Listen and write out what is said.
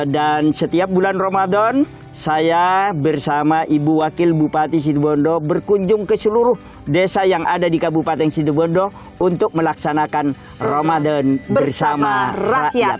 dan setiap bulan ramadan saya bersama ibu wakil bupati situbondo berkunjung ke seluruh desa yang ada di kabupaten situbondo untuk melaksanakan ramadan bersama rakyat